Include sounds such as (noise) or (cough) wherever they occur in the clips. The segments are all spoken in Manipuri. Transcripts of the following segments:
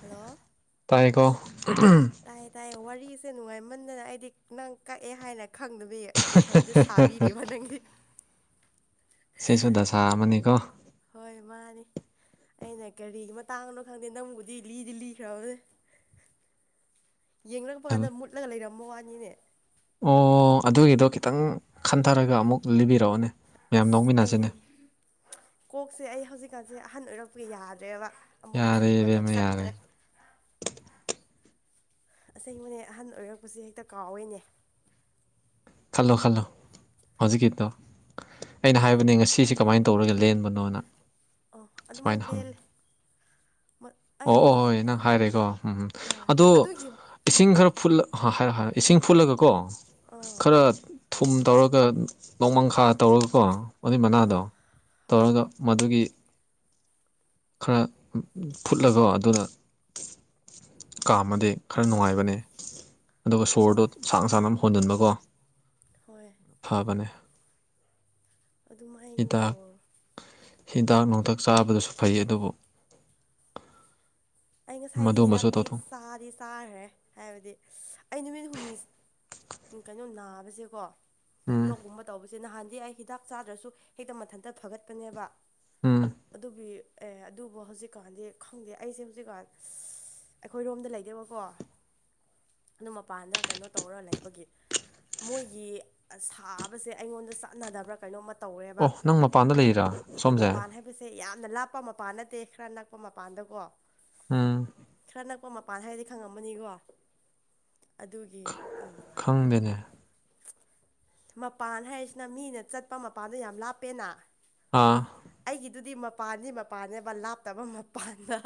ꯍꯜꯂꯣ꯫ ꯇꯥꯏꯌꯦꯀꯣ꯫ ꯇꯥꯏꯌꯦ ꯇꯥꯏꯌꯦ ꯋꯥꯔꯤꯁꯦ ꯅꯨꯡꯉꯥꯏꯃꯟꯗꯅ ꯑꯩꯗꯤ ꯅꯪ ꯀꯛꯑꯦ ꯍꯥꯏꯅ ꯈꯪꯗꯕꯤ꯫ ꯏꯊꯟꯗ ꯁꯥꯕꯤꯔꯤꯕ ꯅꯪꯒꯤ꯫ ꯁꯦꯁꯁꯨꯗꯁꯥ ꯑꯃꯅꯤꯀꯣ꯫ ꯍꯣꯏ ꯃꯥꯅꯤ꯫ ꯑꯩꯅ ꯀꯔꯤꯒꯤ ꯃꯇꯥꯡꯅꯣ ꯈꯪꯗꯦ ꯅꯪꯕꯨꯗꯤ ꯂꯤꯗꯤ ꯂꯤꯈ꯭ꯔꯕꯅꯦ꯫ ꯌꯦꯡꯂꯥꯛꯄ ꯀꯥꯟꯗ ꯍꯥꯏꯕ ꯃꯨꯠꯂꯒ ꯂꯩꯔꯝꯕ ꯋꯥꯅꯤꯅꯦ꯫ ꯑꯣ ꯑꯗꯨꯒꯤꯗꯣ ꯈꯤꯇꯪ ꯈꯟꯊꯔꯒ ꯑꯃꯨꯛ ꯂꯤꯕꯤꯔꯛꯑꯣꯅꯦ꯫ ꯃꯌꯥꯝ ꯑꯁ ꯑꯩ ꯂꯧꯃꯤꯟꯅꯁꯤꯅꯦ ꯀꯣꯛꯁꯦ ꯑꯩ ꯍꯧꯖꯤꯛꯀꯥꯟꯁꯦ ꯑꯍꯟ ꯑꯣꯏꯔꯛꯄꯒꯤ ꯌꯥꯗ꯭ꯔꯦꯕ꯫ ꯑꯃꯨꯛ ꯌꯥꯔꯦ ꯈꯟꯕꯗꯣ ꯏꯕꯦꯝꯃ ꯌꯥꯔꯦ ꯆꯠꯇ꯭ꯔꯦ꯫ ꯑꯁꯦꯡꯕꯅꯦ ꯑꯍꯟ ꯑꯣꯏꯔꯛꯄꯁꯦ ꯍꯦꯛꯇ ꯀꯥꯎꯋꯦꯅꯦ꯫ ꯈꯜꯂꯣ ꯈꯜꯂꯣ ꯍꯧꯖꯤꯛꯀꯤꯇꯣ꯫ ꯑꯩꯅ ꯍꯥꯏꯕꯅꯦ ꯉꯁꯤꯁꯤ ꯀꯃꯥꯏꯅ ꯇꯧꯔꯒ ꯂꯦꯟꯕꯅꯣꯅ꯫ ꯑꯣ ꯁꯨꯃꯥꯏꯅ ꯑꯗꯨꯃꯥꯏꯅ ꯍꯪꯉ ꯂꯦꯜꯂꯦ꯫ ꯑꯩ ꯑꯣ ꯑꯣ ꯍꯣꯏ ꯅꯪ ꯍꯥꯏꯔꯦꯀꯣ ꯎꯝꯝ ꯍꯣꯏ ꯑꯗꯣ ꯑꯗꯨꯒꯤ ꯏꯁꯤꯡ ꯈꯔ ꯐꯨꯠ ꯍꯥ ꯍꯥꯏꯔꯣ ꯍꯥꯏꯔꯣ ꯏꯁꯤꯡ ꯈꯔꯥ ꯐꯨꯠꯂꯒ ꯀꯣ꯫ ꯑꯥ ꯈꯔ ꯊꯨꯝ ꯇꯧꯔꯒ ꯅꯣꯡꯃꯪꯈꯥ ꯇꯧꯔꯒꯀꯣ꯫ ꯑꯣꯂꯤꯞ ꯃꯅꯥꯗꯣ ꯑꯥ ꯍꯣꯏ ꯇꯧꯔꯒ꯫ ꯃꯗꯨꯒꯤ ꯈꯔ ꯐꯨꯠꯂꯒꯣ ꯑꯗꯨꯅ꯫ ꯀꯥꯝꯃꯗꯤ ꯈꯔ ꯅꯨꯡꯉꯥꯏꯕꯅꯦ ꯑꯗꯨꯒ ꯁꯣꯔꯗꯣ ꯍꯣꯏ ꯁꯥꯡꯅ ꯁꯥꯡꯅ ꯑꯃ ꯍꯣꯟꯖꯤꯟꯕꯀꯣ꯫ ꯍꯣꯏ꯫ ꯐꯥꯕꯅꯦ꯫ ꯑꯗꯨꯃꯥꯏꯅ ꯍꯤꯗꯥꯛ ꯇꯧ꯫ ꯍꯤꯗꯥꯛ ꯅꯨꯡꯊꯛ ꯆꯥꯕꯗꯁꯨ ꯐꯩ ꯑꯗꯨꯕꯨ꯫ ꯑꯩ ꯉꯁꯥꯏꯗꯤ ꯃꯗꯨꯃꯁꯨ ꯍꯤꯗꯥꯛꯇꯤ ꯇꯧꯊꯣꯛ ꯆꯥꯗꯤ ꯇꯥꯈ꯭ꯔꯦ ꯍꯥꯏꯕꯗꯤ ꯑꯩ ꯅꯨꯃꯤꯠ ꯍꯨꯝꯅꯤ ꯀꯩꯅꯣ ꯅꯥꯕꯁꯦꯀꯣ꯫ ꯎꯝ ꯂꯣꯛꯒꯨꯝꯕ ꯇꯧꯕꯁꯦ ꯅꯍꯥꯟꯗꯤ ꯑꯩ ꯍꯤꯗꯥꯛ ꯆꯥꯗ꯭ꯔꯁꯨ ꯍꯦꯛꯇ ꯃꯊꯟꯇ ꯐꯒꯠꯄꯅꯦꯕ꯫ ꯎꯝ꯫ ꯑꯗꯨꯒꯤ ꯑꯦ ꯑꯗꯨꯕꯨ ꯍꯧꯖꯤꯛꯀꯥꯟꯗꯤ ꯈꯪꯗꯦ ꯑꯩꯁꯦ ꯍꯧꯖꯤꯛꯀꯥꯟ ꯑꯩꯈꯣꯏ ꯔꯣꯝꯗ ꯂꯩꯇꯦꯕꯀꯣ꯫ ꯑꯗꯨꯝ ꯃꯄꯥꯟꯗ ꯀꯩꯅꯣ ꯇꯧꯔ ꯂꯩꯕꯒꯤ꯫ ꯃꯣꯏꯒꯤ ꯁꯥꯕꯁꯦ ꯑꯩꯉꯣꯟꯗ ꯆꯠꯅꯗꯕ꯭ꯔꯥ ꯀꯩꯅꯣꯝꯃ ꯇꯧꯔꯦꯕ ꯑꯣ ꯅꯪ ꯃꯄꯥꯟꯗ ꯂꯩꯔꯥ ꯁꯣꯝꯁꯦ ꯍꯥꯏꯁꯦ ꯌꯥꯝꯅ ꯂꯥꯞꯄ ꯃꯄꯥꯟ ꯅꯠꯇꯦ ꯈꯔ ꯅꯛꯄ ꯃꯄꯥꯟꯗꯀꯣ ꯎꯝ ꯈꯔ ꯅꯛꯄ ꯃꯄꯥꯟ ꯍꯥꯏꯔꯗꯤ ꯈꯪꯉꯝꯃꯅꯤꯀꯣ ꯑꯗꯨꯒꯤ ꯑꯥ ꯈꯪꯗꯅꯦ ꯃꯄꯥꯟ ꯍꯥꯏꯔꯤꯁꯤꯅ ꯃꯤꯅ ꯆꯠꯄ ꯃꯄꯥꯟꯗꯣ ꯌꯥꯝ ꯂꯥꯞꯄꯦꯅ ꯑꯥ ꯑꯩꯒꯤꯗꯨꯗꯤ ꯃꯄꯥꯟꯗꯤ ꯃꯄꯥꯟꯅꯦꯕ ꯂꯥꯞꯇꯕ ꯃꯄꯥꯟꯗ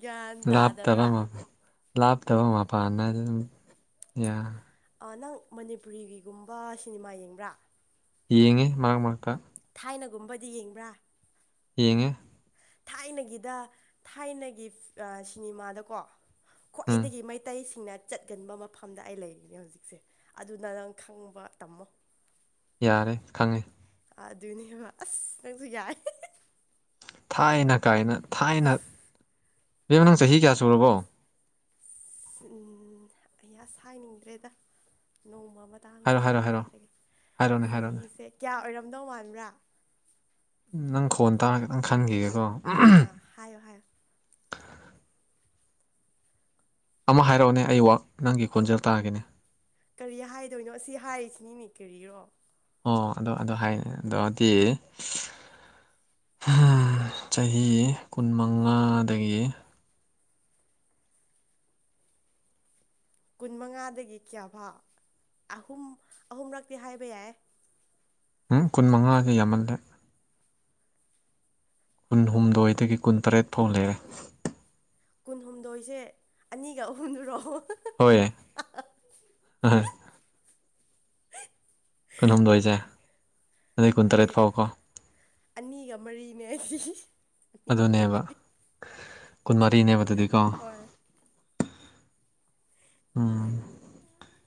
ꯒ꯭ꯌꯥꯟ ꯂꯥꯞ ꯇꯥꯗꯕ꯭ꯔꯥ ꯇꯔꯃꯕꯨ ꯂꯥꯞꯇꯕ ꯃꯄꯥꯟꯅ ꯑꯗꯨꯝ ꯌꯥ ꯅꯪ ꯃꯅꯤꯄꯨꯔꯤꯒꯤꯒꯨꯝꯕ ꯁꯤꯅꯤꯃꯥ ꯌꯦꯡꯕ꯭ꯔꯥ ꯌꯦꯡꯉꯦ ꯃꯔꯛ ꯃꯔꯛꯇ ꯊꯥꯏꯅꯒꯨꯝꯕꯗꯤ ꯌꯦꯡꯕ꯭ꯔꯥ ꯌꯦꯡꯉꯦ ꯊꯥꯏꯅꯒꯤꯗ ꯊꯥꯏꯅꯒꯤ ꯁꯤꯅꯦꯃꯥꯗꯀꯣ ꯎꯝ ꯈ꯭ꯋꯥꯏꯗꯒꯤ ꯃꯩꯇꯩꯁꯤꯡꯅ ꯆꯠꯀꯟꯕ ꯃꯐꯝꯗ ꯑꯩ ꯂꯩꯔꯤꯅꯦ ꯍꯧꯖꯤꯛꯁꯦ ꯑꯗꯨꯅ ꯅꯪ ꯈꯪꯕ ꯇꯝꯃꯣ ꯌꯥꯔꯦ ꯈꯪꯉꯦ ꯑꯗꯨꯅꯦꯕ ꯑꯁ ꯅꯪꯁꯨ ꯌꯥꯏ ꯊꯥꯏꯅ ꯀꯥꯏꯅ ꯊꯥꯏꯅ ꯏꯕꯦꯝ ꯅꯪ ꯆꯍꯤ ꯀꯌꯥ ꯁꯨꯔꯕꯣ ꯑꯩ ꯑꯁ ꯍꯥꯏꯅꯤꯡꯗ꯭ꯔꯦꯗ ꯅꯣꯡꯃ ꯃꯇꯥꯡ ꯍꯥꯏꯔꯣ ꯍꯥꯏꯔꯣ ꯆꯥꯕꯗ ꯍꯥꯏꯔꯣ ꯍꯥꯏꯔꯒꯦ ꯍꯥꯏꯔꯣꯅꯦ ꯍꯥꯏꯔꯣꯅꯦ ꯆꯍꯤꯁꯦ ꯀꯌꯥ ꯑꯣꯏꯔꯝꯗꯧ ꯃꯥꯟꯕ꯭ꯔꯥ ꯅꯪ ꯈꯣꯟ ꯇꯥꯔꯒ ꯅꯪ ꯈꯟꯈꯤꯒꯦꯀꯣ ꯑꯥ ꯍꯥꯏꯌꯣ ꯍꯥꯏꯌꯣ ꯑꯃ ꯍꯥꯏꯔꯛꯑꯣꯅꯦ ꯑꯩꯋꯥꯛ ꯅꯪꯒꯤ ꯈꯣꯟꯖꯦꯜ ꯇꯥꯒꯦꯅꯦ ꯀꯔꯤ ꯍꯥꯏꯗꯣꯏꯅꯣ ꯁꯤ ꯍꯥꯏꯔꯤꯁꯤꯅꯤꯅꯦ ꯀꯔꯤꯔꯣ ꯑꯣ ꯑꯗꯨ ꯑꯗꯨ ꯍꯥꯏ ꯑꯗꯨꯣꯗꯤ ꯆꯍꯤ ꯀꯨꯟꯃꯉꯥꯗꯒꯤ ꯀꯨꯟ ꯃꯉꯥꯗꯒꯤ ꯀ꯭ꯌꯥꯐꯥ ꯑꯍꯨꯝ ꯑꯍꯨꯝꯂꯛꯇꯤ ꯍꯥꯏꯕ ꯌꯥꯏ ꯎꯝ ꯀꯨꯟ ꯃꯉꯥꯥꯁ ꯌꯥꯝꯃꯜꯂꯦn ꯀꯨꯟꯍꯨꯝꯗꯣꯏꯗꯒꯤ ꯀꯨꯟꯇꯔꯦꯠ ꯐꯥꯎ ꯂꯩꯔꯦ ꯀꯨꯟꯍꯨꯝꯗꯣꯏꯁꯦ ꯑꯅꯤꯒ ꯑꯍꯨꯝꯨꯔꯣ ꯍꯣꯏ ꯑꯣꯏ ꯀꯜꯍꯨꯝꯗꯣꯏꯁꯦ ꯅꯠꯇꯦꯗ ꯑꯅꯤꯒ ꯃꯔꯤꯅꯦ ꯑꯩꯗꯤ ꯑꯅꯤꯒ ꯑꯗꯨꯅꯦꯕ ꯃꯔꯤ ꯀꯨꯟꯃꯔꯤꯅꯦꯕ ꯑꯗꯨꯗꯤꯀꯣ ꯍ (unintelligible) ꯎꯝ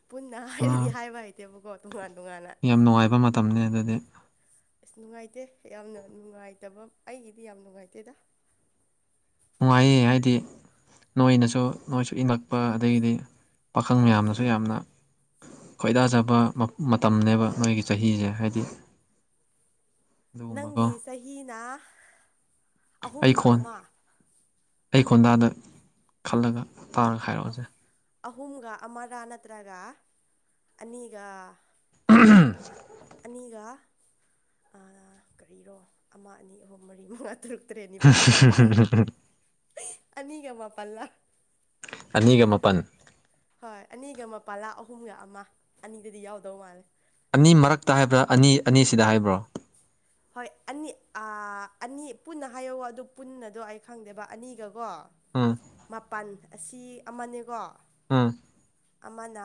ꯄꯨꯟꯅ ꯑꯥ ꯍꯥꯏꯔꯗꯤ ꯍꯥꯏꯕ ꯍꯩꯇꯦꯕꯀꯣ ꯇꯣꯉꯥꯟ ꯇꯣꯉꯥꯟꯅ ꯌꯥꯝ ꯅꯨꯡꯉꯥꯏꯕ ꯃꯇꯝꯅꯤ ꯑꯗꯨꯗꯤ ꯑꯁ ꯅꯨꯡꯉꯥꯏꯇꯦ ꯌꯥꯝꯅ ꯅꯨꯡꯉꯥꯏꯇꯕ ꯑꯩꯒꯤꯗꯤ ꯌꯥꯝ ꯅꯨꯡꯉꯥꯏꯇꯦꯗ ꯅꯨꯡꯉꯥꯏꯌꯦ ꯍꯥꯏꯗꯤ ꯅꯣꯏꯅꯁꯨ ꯅꯣꯏꯁꯨ ꯏꯟꯂꯛꯄ ꯑꯗꯒꯤꯗꯤ ꯄꯥꯈꯪ ꯃꯌꯥꯝꯅꯁꯨ ꯌꯥꯝꯅ ꯈꯣꯏꯗꯥꯖꯕ ꯃꯇꯝꯅꯦꯕ ꯃꯣꯏꯒꯤ ꯆꯍꯤꯁꯦ ꯍꯥꯏꯗꯤ ꯑꯗꯨꯒꯨꯝꯕꯀꯣ ꯅꯪꯒꯤ ꯆꯍꯤꯅ ꯑꯩ ꯑꯍꯨꯝꯒ ꯈꯣꯟ ꯑꯃ ꯑꯩ ꯈꯣꯟꯗꯥꯗ ꯈꯜꯂꯒ ꯇꯥꯔꯒ ꯍꯥꯏꯔꯛꯑꯣꯁꯦ ꯑꯍꯨ- ꯑꯍꯨꯝꯒ ꯑꯃꯔꯥ ꯅꯠꯇ꯭ꯔꯒ ꯑꯅꯤꯒ (unintelligible) ꯑꯅꯤꯒ ꯀꯔꯤꯔꯣ ꯑꯃ ꯑꯅꯤ ꯑꯍꯨꯝ ꯃꯔꯤ ꯃꯉꯥ ꯇꯔꯨꯛ ꯇꯔꯦ ꯅꯤꯄꯥꯜ ꯃꯄꯥꯟ ꯑꯅꯤꯒ ꯃꯄꯥꯟꯂꯥꯛ ꯑꯅꯤꯒ ꯃꯥꯄꯟ ꯍꯣꯏ ꯑꯅꯤꯒ ꯃꯄꯥꯜꯂꯥ ꯑꯍꯨꯝꯒ ꯑꯃ ꯑꯅꯤꯗꯗꯤ ꯌꯥꯎꯗꯧ ꯃꯥꯜꯂꯦ ꯑꯅꯤ ꯃꯔꯛꯇ ꯍꯥꯏꯕ꯭ꯔꯥ ꯑꯅꯤ ꯑꯅꯤꯁꯤꯗ ꯍꯥꯏꯕ꯭ꯔꯣ (inaudible) ꯍꯣꯏ ꯑꯅꯤ ꯑꯥ ꯑꯅꯤ ꯄꯨꯟꯅ ꯍꯥꯏꯌꯣ ꯑꯗꯨ ꯄꯨꯟꯅꯗꯣ ꯑꯩ ꯈꯪꯗꯦꯕ ꯑꯅꯤꯒꯀꯣ ꯎꯝ ꯃꯥꯄꯜ ꯑꯁꯤ ꯑꯃꯅꯦꯀꯣ ꯎꯝ ꯑꯃꯅ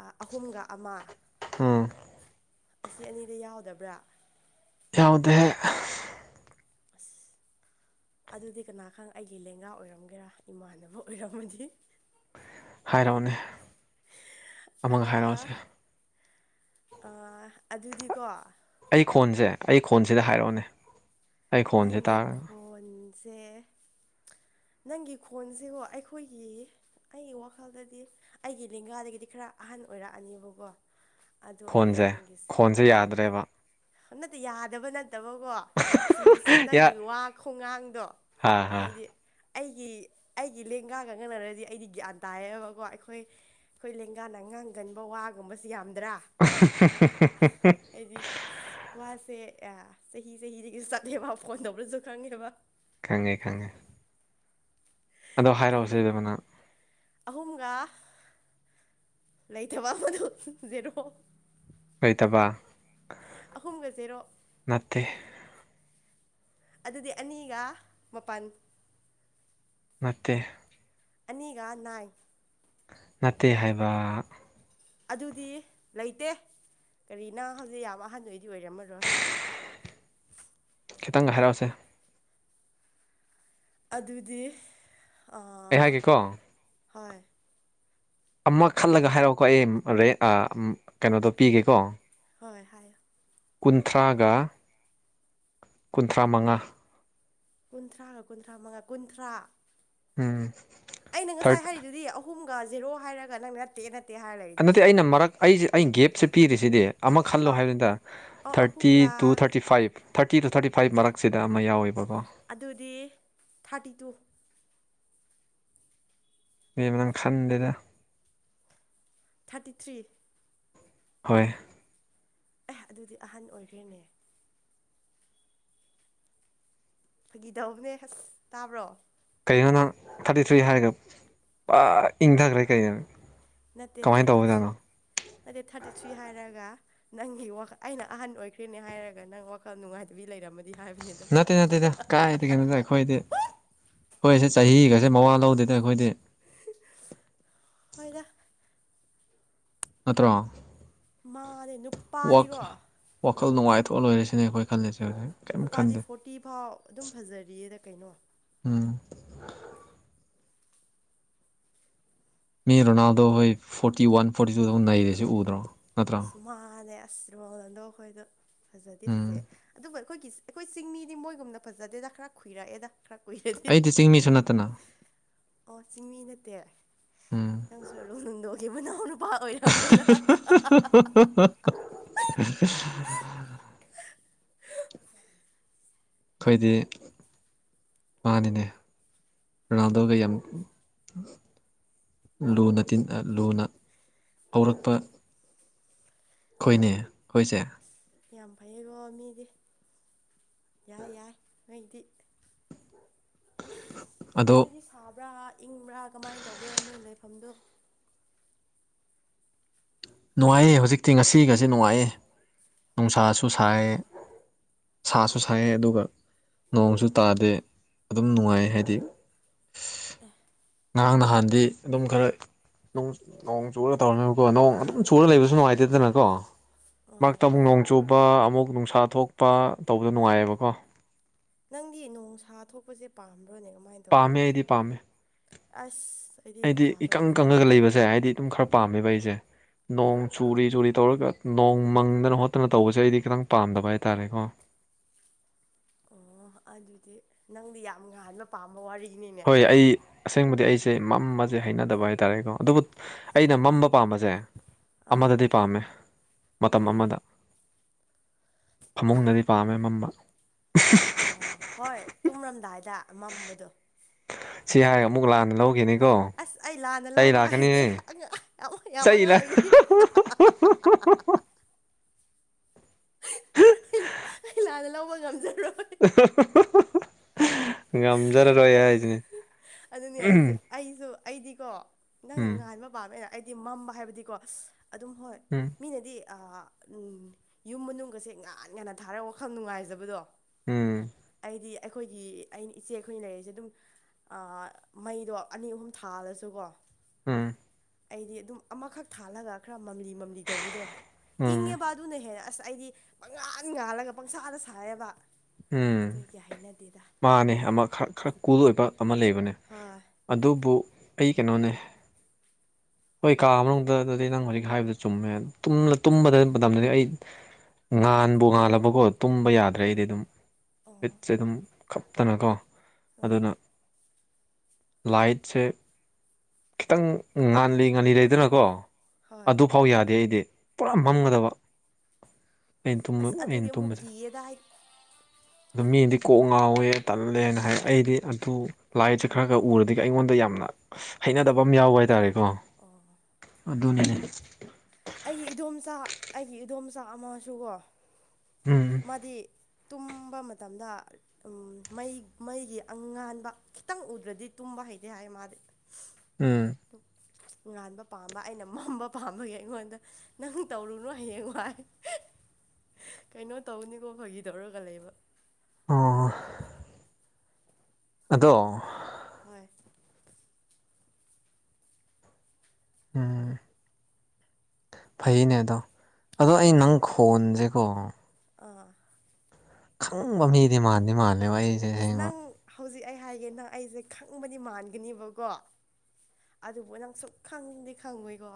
ꯑꯥ ꯑꯍꯨꯝꯒ ꯑꯃ ꯎꯝ ꯑꯁꯤ ꯑꯅꯤꯗ ꯌꯥꯎꯗꯕ꯭ꯔꯥ ꯌꯥꯎꯗꯦ ꯑꯁ ꯑꯗꯨꯗꯤ ꯀꯅꯥ ꯈꯪ ꯑꯩꯒꯤ ꯂꯦꯡꯒꯥ ꯑꯣꯏꯔꯝꯒꯦꯔꯥ ꯏꯃꯥꯟꯅꯕ ꯑꯣꯏꯔꯝꯃꯗꯤ ꯍꯥꯏꯔꯛꯑꯣꯅꯦ (unintelligible) ꯑꯃꯒ ꯑꯥ ꯍꯥꯏꯔꯛꯑꯣꯁꯦ ꯑꯥ ꯑꯗꯨꯗꯤꯀꯣ ꯑꯩ ꯈꯣꯟꯁꯦ ꯑꯩ ꯈꯣꯟꯁꯤꯗ ꯍꯥꯏꯔꯛꯑꯣꯅꯦ ꯑꯩ ꯈꯣꯟꯁꯦ ꯅꯪꯒꯤ ꯇꯥꯔꯒ ꯈꯣꯟꯁꯦ ꯅꯪꯒꯤ ꯈꯣꯟꯁꯤꯒꯣ ꯑꯩꯈꯣꯏꯒꯤ ꯑꯩꯒꯤ ꯋꯥꯈꯜꯗꯗꯤ ꯑꯩꯒꯤ ꯂꯦꯡꯒꯥꯗꯒꯤꯗꯤ ꯈꯔ ꯑꯍꯟ ꯑꯣꯏꯔꯛꯑꯅꯦꯕꯀꯣ ꯑꯗꯨ ꯑꯣꯏꯔꯦ ꯈꯣꯟꯁꯦ ꯅꯪꯒꯤꯁꯦ ꯈꯣꯟꯁꯦ ꯍꯣꯏ ꯌꯥꯗ꯭ꯔꯦꯕ ꯅꯠꯇꯦ ꯌꯥꯗꯕ ꯅꯠꯇꯕꯀꯣ ꯁꯨꯝꯅ ꯁꯨꯝ ꯅꯪꯒꯤ ꯌꯥ ꯋꯥ ꯈꯣꯡꯉꯥꯡꯗꯣ ꯍꯥ ꯍꯥ ꯍꯥꯏꯗꯤ ꯑꯩꯒꯤ ꯑꯩꯒꯤ ꯂꯦꯡꯒꯥꯒ ꯉꯅꯔꯗꯤ ꯑꯩꯗꯤ ꯒ꯭ꯌꯥꯟ ꯇꯥꯏꯌꯦꯕꯀꯣ ꯑꯩꯈꯣꯏ ꯑꯩꯈꯣꯏ ꯂꯦꯡꯒꯥꯅ ꯉꯥꯡꯒꯟꯕ ꯋꯥꯒꯨꯝꯕꯁꯤ ꯌꯥꯝꯗ꯭ꯔꯥ ꯍꯥꯏꯗꯤ ꯋꯥꯁꯦ ꯆꯍꯤ ꯑꯥ ꯆꯍꯤꯗꯒꯤ (unintelligible) ꯐꯣꯟ ꯇꯧꯕꯔꯁꯨ ꯈꯪꯉꯦꯕ ꯈꯪꯉꯦ ꯈꯪꯉꯦ ꯑꯗꯣ ꯑꯗꯨꯒꯤ ꯍꯥꯏꯔꯛꯑꯣꯁꯦꯕ ꯅꯪ ꯑꯍꯨꯝꯒ ꯂꯩꯊꯕ ꯑꯃꯗꯨ ꯖꯦꯔꯣ ꯀꯩꯊꯕ ꯑꯍꯨꯝꯒꯖꯦꯔꯣ ꯅꯠꯇꯦ ꯑꯗꯨꯗꯤ ꯑꯅꯤꯒ ꯃꯄꯥꯟ ꯅꯠꯇꯦ ꯑꯅꯤꯒ ꯅꯥꯏꯟ ꯅꯠꯇꯦ ꯍꯥꯏꯕ ꯑꯗꯨꯗꯤ ꯂꯩꯇꯦ ꯀꯔꯤꯅ ꯍꯧꯖꯤꯛ ꯌꯥꯝ ꯑꯍꯟ ꯑꯣꯏꯗꯤ ꯑꯣꯏꯔꯝꯃꯔꯣꯏ ꯈꯤꯇꯪꯒ ꯍꯥꯏꯔꯛꯑꯣꯁꯦ ꯑꯗꯨꯗꯤ ꯑꯩ ꯑꯥ ꯍꯥꯏꯒꯦꯀꯣ ꯍꯣꯏ ꯑꯃ ꯈꯜꯂꯒ ꯍꯥꯏꯔꯛꯑꯣꯀꯣ ꯑꯩ ꯔꯦꯠ ꯀꯩꯅꯣꯗꯣ ꯄꯤꯒꯦꯀꯣ ꯍꯣꯏ ꯍꯥꯏꯌꯣ ꯀꯨꯟꯊ꯭ꯔꯥꯒ ꯀꯨꯟꯊ꯭ꯔꯥ ꯃꯉꯥ ꯀꯨꯟꯊ꯭ꯔꯥꯒ ꯀꯨꯟꯊ꯭ꯔꯥ ꯃꯉꯥ ꯀꯨꯟꯊ꯭ꯔꯥ ꯎꯝ ꯑꯩꯅ ꯉꯁꯥꯏ ꯊꯥꯔꯠ ꯍꯥꯏꯔꯤꯗꯨꯗꯤ ꯑꯍꯨꯝꯒ ꯖꯦꯔꯣ ꯍꯥꯏꯔꯒ ꯅꯪ ꯅꯠꯇꯦ ꯅꯠꯇꯦ ꯍꯥꯏꯔ (unintelligible) ꯇꯦ ꯂꯩꯔꯤꯗꯨꯗꯤ ꯑꯩꯅ ꯃꯔꯛ ꯑꯩꯁꯦ ꯑꯩꯅ ꯒꯦꯞꯁꯦ ꯄꯤꯔꯤꯁꯤꯗꯤ ꯑꯃ ꯑ ꯈꯜꯂꯣ ꯍꯥꯏꯕꯅꯤꯗ ꯑ ꯊꯥꯔꯇꯤ ꯑꯍꯨꯝꯒ two thirty five thirty two thirty five ꯃꯔꯛꯁꯤꯗ ꯑꯃ ꯌꯥꯎꯋꯦꯕꯀꯣ ꯑꯗꯨꯗꯤ ꯊꯥꯔꯇꯤ ꯇꯨ ꯕꯦꯃꯥ ꯅꯪ ꯈꯟꯗꯦꯗ ꯊꯥꯔꯇꯤ ꯊ꯭ꯔꯤ ꯍꯣꯏ ꯑꯦ ꯑꯗꯨꯗꯤ ꯑꯍꯟ ꯑꯣꯏꯈ꯭ꯔꯦꯅꯦ ꯐꯒꯤꯗꯧꯕꯅꯦ ꯍꯁ ꯇꯥꯕ꯭ꯔꯣ ꯀꯥꯏꯅ ꯅꯪ ꯊꯥꯔꯇꯤ ꯊ꯭ꯔꯤ ꯍꯥꯏꯔꯒ ꯄ ꯏꯪꯊꯈ꯭ꯔꯦ ꯀꯥꯅꯣ ꯅꯠꯇꯦ ꯊꯥꯔꯇꯤ ꯊ꯭ꯔꯤ ꯅꯠꯇꯦ ꯊꯥꯔꯇꯤ ꯊ꯭ꯔꯤ ꯍꯥꯏꯔꯒ ꯅꯪꯒꯤꯈꯜ ꯑꯩꯅ ꯑꯍꯟ ꯑꯣꯏꯈ꯭ꯔꯦꯅꯦ ꯍꯥꯏꯔꯒ ꯅꯪ ꯋꯥꯈꯜ ꯅꯨꯡꯉꯥꯏꯇꯕꯤ ꯂꯩꯔꯝꯃꯅꯤ ꯅꯠꯇꯦ ꯅꯠꯇꯦꯗ ꯀꯥꯏꯗꯦꯒꯅꯣꯗ ꯑꯩꯈꯣꯏꯗꯤ ꯑꯩꯣꯏꯁꯦ ꯆꯍꯤꯒꯁꯦ ꯃꯋꯥ ꯂꯧꯗꯣꯏꯗꯅ ꯑꯩꯈꯣꯏꯗꯤ ꯐꯣꯏꯗ ꯅꯠꯇ꯭ꯔꯣ ꯃꯥꯔꯦꯅ ꯋꯥꯈꯜ ꯅꯨꯡꯉꯥꯏꯊꯣꯛꯑ ꯂꯣꯏꯔꯁꯤꯅꯦ ꯑꯩꯈꯣꯏ ꯈꯜꯂꯤꯁꯦ ꯍꯧꯖꯤꯛ ꯀꯩꯝ ꯈꯟꯗꯦ ꯅꯨꯄꯥꯗꯤ ꯐꯣꯔꯇꯤ ꯐꯥꯎ ꯑꯗꯨꯝ ꯐꯖꯔꯤꯌꯦꯗ ꯀꯩꯅꯣ ꯎꯝ ꯃꯤ ꯔꯣꯅꯥꯜꯗꯣ ꯍꯣꯏ ꯐꯣꯔꯇꯤ ꯋꯥꯟ ꯐꯣꯔꯇꯤ ꯇꯨꯗꯨꯛ ꯅꯩꯔꯁꯤ ꯎꯗ꯭ꯔꯣ ꯅꯠꯇ꯭ꯔꯣ ꯑꯁꯨ ꯃꯥꯥꯟꯂ ꯑꯁꯣꯗꯣ ꯑꯩꯈꯣꯏꯗꯣ ꯐꯖꯗꯤ ꯎꯝ ꯐꯖꯩ ꯑꯗꯨꯒ ꯑꯩꯈꯣꯏꯒꯤ ꯑꯩꯈꯣꯏ ꯆꯤꯡꯃꯤꯗꯤ ꯃꯣꯏꯒꯨꯝꯅ ꯐꯖꯗꯦꯗ ꯈꯔ ꯀꯨꯏꯔꯛꯑꯦꯗ ꯈꯔ ꯀꯨꯏꯔꯛꯑꯦꯗꯤ ꯑꯩꯗꯤ ꯆꯤꯡꯃꯤꯁꯨ ꯅꯠꯇꯅ ꯑꯣ ꯆꯤꯡꯃꯤ ꯅꯠꯇꯦ ꯎꯝ ꯅꯪꯁꯨ ꯑꯨ ꯅꯨꯡꯗꯣꯛꯒꯤ ꯃꯅꯥꯎꯅꯨ ꯄꯥ ꯑꯣꯏꯔꯝꯗꯅ ꯍ ꯑꯩꯈꯣꯏꯗꯤ ꯃꯥꯅꯤꯅꯦ ꯔꯣꯅꯥꯜꯗꯣꯒ ꯌꯥꯝ ꯂꯨꯅ ꯂꯨꯅ ꯍꯧꯔꯛꯄ ꯑꯩꯈꯣꯏꯅꯦ ꯑꯩꯈꯣꯏꯁꯦ ꯌꯥꯝ ꯐꯩꯌꯦꯀꯣ ꯃꯤꯗꯤ ꯌꯥꯏ ꯌꯥꯏ ꯅꯣꯏꯗꯤ ꯑꯁ ꯑꯗꯣ ꯅꯣꯏꯗꯤ ꯁꯥꯕ꯭ꯔꯥ ꯏꯪꯕ꯭ꯔꯥ ꯀꯃꯥꯏꯅ ꯇꯧꯕ꯭ꯔꯣ ꯅꯣꯏ ꯂꯩꯐꯝꯗꯣ ꯅꯨꯡꯉꯥꯏꯌꯦꯦ ꯍꯧꯖꯤꯛꯇꯤ ꯉꯁꯤꯒꯁꯦ ꯅꯨꯡꯉꯥꯏꯌꯦ ꯅꯨꯡꯁꯥꯁꯨ ꯁꯥꯏꯌꯦ ꯁꯥꯁꯨ ꯁꯥꯏꯌꯦ ꯑꯗꯨꯒ ꯅꯣꯡꯁꯨ ꯇꯥꯗꯦ ꯑꯗꯨꯝ ꯅꯨꯡꯉꯥꯏ ꯍꯥꯏꯗꯤ ꯑꯦ ꯉꯔꯥꯡ ꯅꯍꯥꯟꯗꯤ ꯑꯗꯨꯝ ꯈꯔ ꯅꯣꯡ ꯆꯨꯒ ꯇꯧꯔꯅꯦꯕꯀꯣ ꯅꯣꯡ ꯑꯗꯨꯝ ꯆꯨꯔ ꯂꯩꯕꯁꯨ ꯅꯨꯡꯉꯥꯏꯇꯦꯗꯅ ꯀꯣ ꯑꯥ ꯃꯍꯥꯛꯇ ꯑꯃꯨꯛ ꯍꯣꯏ ꯅꯣꯡ ꯆꯨꯕ ꯑꯃꯨꯛ ꯅꯨꯡꯁꯥ ꯊꯣꯛꯄ ꯇꯧꯕꯗ ꯅꯨꯡꯉꯥꯏꯌꯦꯕꯀꯣ ꯅꯪꯗꯤ ꯅꯣꯡꯁꯥ ꯊꯣꯛꯄꯁꯦ ꯄꯥꯝꯕ꯭ꯔꯣꯅꯦ ꯀꯃꯥꯏꯅ ꯇꯧꯕ꯭ꯔꯣ ꯄꯥꯝꯃꯦ ꯑꯩꯗꯤ ꯄꯥꯝꯃꯦ ꯑꯁ ꯑꯩꯗꯤ ꯅꯨꯡꯁꯥ ꯏꯀꯪ ꯊꯣꯛꯄꯁꯦ ꯀꯪꯉꯒ ꯍꯩꯅꯗꯦ ꯂꯩꯕꯁꯦ ꯍꯥꯏꯗꯤ ꯑꯗꯨꯝ ꯈꯔ ꯄꯥꯝꯃꯦꯕ ꯑꯩꯁꯦ ꯑꯣ ꯅꯣꯡ ꯆꯨꯔꯤ ꯆꯨꯔꯤ ꯇꯧꯔꯒ ꯅꯣꯡ ꯃꯪꯗꯅ ꯍꯣꯠꯇꯅ ꯇꯧꯕꯁꯦ ꯑꯩꯗꯤ ꯈꯤꯇꯪ ꯄꯥꯝꯗꯕ ꯍꯥꯏꯇꯥꯔꯦꯀꯣ ꯑꯣ ꯑꯗꯨꯗꯤ ꯅꯪꯗꯤ ꯌꯥꯝ ꯉꯍꯥꯟꯕ ꯄꯥꯝꯕꯋꯥꯔꯤꯅꯤ ꯍꯣꯏ ꯑꯩ ꯑꯁꯦꯡꯕꯗꯤ ꯑꯩꯁꯦ ꯃꯝꯃꯁꯦ ꯍꯩꯅꯗꯕ ꯍꯥꯏꯇꯥꯔꯦꯀꯣ ꯑꯗꯨꯕꯨ ꯑꯩꯅ ꯃꯝꯕ ꯄꯥꯝꯕꯁꯦ ꯑꯥ ꯑꯃꯗꯗꯤ ꯄꯥꯝꯃꯦ ꯃꯇꯝ ꯀꯔꯤ ꯑꯃꯗ (unintelligible) ꯐꯃꯨꯡꯗꯗꯤ ꯄꯥꯝꯃꯦ ꯃꯝꯕ ꯑꯣ ꯍꯣꯏ ꯇꯨꯝꯔꯝꯗꯥꯏꯗ ꯃꯝꯕꯗꯣ ꯁꯤ ꯍꯥꯏꯔꯒ ꯑꯃꯨꯛ ꯂꯥꯟꯅ ꯂꯧꯈꯤꯅꯤꯀꯣ ꯑꯁ ꯑꯩ ꯂꯥꯟꯅ ꯆꯩ ꯂꯧꯕꯒ ꯍꯩꯇꯦ ꯂꯥꯛꯀꯅꯤꯍꯦ ꯌꯥꯝ ꯆꯩ ꯑꯉꯥꯡ ꯂꯥꯛ ꯑꯣꯏꯔꯤ ꯀꯅ ꯂꯧꯕ ꯉꯝꯖꯔꯣꯏ ꯉꯝꯖꯔꯔꯣꯏ ꯍꯥꯏꯁꯤꯅꯦ ꯑꯗꯨꯅꯦ ꯑꯩꯁꯨ ꯑꯩꯗꯤꯀꯣ ꯅꯪꯅ ꯉꯥꯟꯕ ꯄꯥꯝꯃꯦꯅ ꯍꯥꯏ ꯃꯝꯕ ꯍꯥꯏꯕꯗꯤꯀꯣ ꯑꯗꯨꯝ ꯍꯣꯏ ꯎꯝ ꯃꯤꯅꯗꯤ ꯌꯨꯝ ꯃꯅꯨꯡꯒꯁꯦ ꯉꯥꯟ ꯉꯟꯅ ꯊꯥꯔ ꯋꯥꯈꯜ ꯅꯨꯡꯉꯥꯏꯖꯕꯗꯣ ꯎꯝ ꯍꯥꯏꯗꯤ ꯑꯩꯈꯣꯏꯒꯤ ꯑꯩꯅ ꯏꯆꯦ ꯑꯩꯈꯣꯏꯅ ꯂꯩꯔꯤꯁꯦ ꯑꯗꯨꯝ ꯃꯩꯗꯣ ꯑꯅꯤ ꯑꯍꯨꯝ ꯊꯥꯜꯂꯁꯨꯀꯣ ꯎꯝ ꯑꯩꯗꯤ ꯑꯗꯨꯝ ꯑꯃꯈꯛ ꯊꯥꯜꯂꯒ ꯈꯔ ꯃꯝꯂꯤ ꯃꯝꯂꯤ ꯇꯧꯕꯗꯣ ꯎꯝ ꯏꯪꯉꯦꯕ ꯑꯗꯨꯅ ꯍꯦ ꯑꯁ ꯑꯩꯗꯤ ꯄꯪꯉꯥꯥꯟ ꯉꯥꯜꯂꯒ ꯄꯪꯁꯥꯗ ꯁꯥꯏꯌꯦꯦꯕ ꯎꯝ ꯑꯗꯨꯏꯒꯤ ꯍꯥꯏꯩꯅꯗꯦꯗ ꯃꯥꯅꯦ ꯑꯃ ꯈꯔ ꯈꯔ ꯀꯨꯜ ꯑꯣꯏꯕ ꯑꯃ ꯂꯩꯕꯅꯦ ꯍꯥꯥꯏ ꯑꯗꯨꯕꯨ ꯑꯩ ꯀꯩꯅꯣꯅꯦ ꯍꯣꯏ ꯀꯥ ꯃꯅꯨꯡꯗ ꯑꯗꯨꯗꯤ ꯅꯪ ꯍꯧꯖꯤꯛ ꯍꯥꯏꯕꯗꯨ ꯆꯨꯝꯃꯦ ꯇꯨꯝꯕꯗ ꯃꯇꯝꯗꯅꯤ ꯑꯩ ꯉꯥꯟꯕꯨ ꯉꯥꯜꯂꯕꯀꯣ ꯇꯨꯝꯕ ꯌꯥꯗ꯭ꯔꯦ ꯑꯩꯗꯤ ꯑꯗꯨꯝ ꯍꯤꯠꯁꯦ ꯑꯗꯨꯝ ꯈꯞꯛꯇꯅꯀꯣ ꯑꯗꯨꯅ ꯂꯥꯏꯠꯁꯦ ꯈꯤꯇꯪ ꯉꯥꯜꯂꯤ-ꯉꯥꯜꯂꯤ ꯂꯩꯗꯅꯀꯣ ꯍꯣꯏ ꯑꯗꯨ ꯐꯥꯎ ꯌꯥꯗꯦ ꯑꯩꯗꯤ ꯄꯨꯔꯥ ꯃꯝꯒꯗꯕ ꯑꯩꯇꯨꯝ ꯑꯁ ꯑꯩꯅ ꯑꯗꯨꯗꯤ ꯑꯃꯨꯛ ꯇꯨꯝꯃꯥꯁꯦ ꯀꯤꯌꯦꯗ ꯑꯗꯨ ꯃꯤꯗꯤ ꯀꯣꯛ ꯉꯥꯎꯋꯦ ꯇꯜꯂꯦꯅ ꯍꯥꯏ ꯑꯩꯗꯤ ꯑꯗꯨ ꯂꯥꯏꯁꯦ ꯈꯔ-ꯈꯔ ꯎꯔꯗꯤ ꯑꯩꯉꯣꯟꯗ ꯌꯥꯝꯅ ꯍꯩꯅꯗꯕ ꯑꯃ ꯌꯥꯎꯕ ꯍꯥꯏꯇꯥꯔꯦꯀꯣ ꯑꯣ ꯑꯗꯨꯅꯅꯦ ꯑꯩꯒꯤ ꯏꯗꯣꯝꯆꯥ ꯑꯩꯒꯤ ꯏꯗꯣꯝꯆꯥ ꯑꯃꯁꯨꯀꯣ ꯎꯝ ꯃꯥꯗꯤ ꯇꯨꯝꯕ ꯃꯇꯝꯗ ꯃꯩ-ꯃꯩꯒꯤ ꯑꯉꯥꯟꯕ ꯈꯤꯇꯪ ꯎꯗ꯭ꯔꯗꯤ ꯇꯨꯝꯕ ꯍꯩꯇꯦ ꯍꯥꯏ ꯃꯥꯗꯤ (inaudible) ꯎꯝ ꯑꯗꯨ ꯉꯥꯟꯕ ꯄꯥꯝꯕ ꯑꯩꯅ ꯃꯝꯕ ꯄꯥꯝꯕꯒꯤ ꯑꯩꯉꯣꯟꯗ ꯅꯪ ꯇꯧꯔꯨꯅꯨ ꯍꯌꯦꯡ ꯋꯥꯏ ꯀꯩꯅꯣ ꯇꯧꯅꯤꯀꯣ ꯐꯥꯒꯤ ꯇꯧꯔꯒ ꯂꯩꯕ ꯑꯣ ꯑꯗꯣ ꯍꯣꯏ ꯎꯝ ꯐꯩꯅꯦ ꯑꯗꯣ ꯑꯗꯣ ꯑꯩ ꯅꯪ ꯈꯣꯟꯁꯦꯀꯣ ꯑꯥ ꯈꯪꯕ ꯃꯤꯗꯤ ꯃꯥꯥꯟꯦ ꯃꯥꯜꯂꯤ ꯑꯁ ꯅꯪ ꯍꯧꯖꯤꯛ ꯑꯩ ꯍꯥꯏꯒꯦ ꯅꯪ ꯑꯩꯁꯦ ꯈꯪꯕꯗꯤ ꯃꯥꯟꯒꯅꯦꯕꯀꯣ ꯑꯗꯨꯕꯨ ꯅꯪ ꯁꯨꯛ ꯈꯪꯗꯤ ꯈꯪꯉꯣꯏꯀꯣ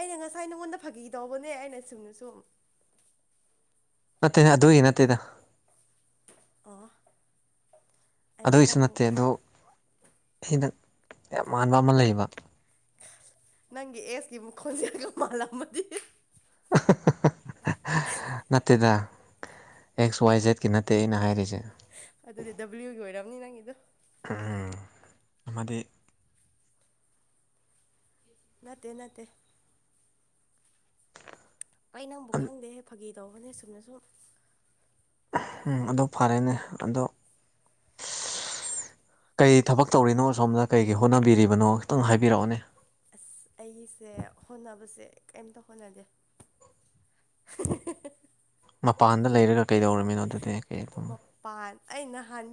ꯑꯩꯅ ꯉꯁꯥꯏ ꯅꯉꯣꯟꯗ ꯐꯥꯈꯤꯗꯧꯕꯅꯦ ꯑꯩꯅ ꯆꯨꯝꯅ ꯁꯨꯝ ꯅꯠꯇꯦꯅꯦ ꯑꯗꯨꯒꯤ ꯅꯠꯇꯦꯗ ꯑꯣ ꯑꯩ ꯑꯗꯨꯒꯤꯁꯨ ꯅꯪ ꯅꯠꯇꯦ ꯑꯗꯣ ꯁꯤꯗ ꯌꯥꯝ ꯃꯥꯟꯕ ꯂꯩꯕ ꯅꯪꯒꯤ ꯑꯦꯁꯀꯤ ꯃꯈꯣꯟꯖꯦꯜꯖꯦ ꯃꯥꯜꯂꯝꯃꯗꯤ (inaudible) ꯅꯠꯇꯦꯗ ꯑꯦꯛꯁ ꯋꯥꯏ ꯖꯦꯗꯀꯤ ꯅꯠꯇꯦ ꯑꯩꯅ ꯍꯥꯏꯔꯤꯁꯦ ꯑꯗꯨꯗꯤ ꯗꯕ꯭ꯂꯤꯎꯒꯤ ꯑꯣꯏꯔꯝꯅꯤ ꯅꯪꯒꯤꯗꯣ ꯑꯃꯗꯤ ꯅꯠꯇꯦ-ꯅꯠꯇꯦ ꯑꯩ ꯅꯪꯕꯨ ꯈꯪꯗꯦꯍꯦ ꯐꯥꯒꯤ ꯇꯧꯕꯅꯦ ꯆꯨꯝꯅꯥ ꯁꯨꯝ ꯎꯝ ꯑꯗꯨ ꯐꯔꯦꯅꯦ ꯑꯗꯣ ꯀꯩ ꯊꯕꯛ ꯇꯧꯔꯤꯅꯣ ꯁꯣꯝꯗ ꯀꯩꯒꯤ ꯍꯣꯠꯅꯕꯤꯔꯤꯕꯅꯣ ꯈꯤꯇꯪ ꯍꯥꯏꯕꯤꯔꯛꯑꯣꯅꯦ ꯑꯁ ꯑꯩꯒꯤꯁꯦ ꯍꯣꯠꯅꯕꯁꯦ ꯀꯩꯝꯇ ꯍꯣꯠꯅꯗꯦ ꯃꯄꯥꯟꯗ ꯂꯩꯔꯒ ꯀꯩꯗꯧꯔꯝꯃꯤꯅꯣ ꯑꯗꯨꯗꯤ ꯀꯩ ꯑꯗꯨꯝ ꯃꯄꯥꯟ ꯑꯩ ꯅꯍꯥꯟ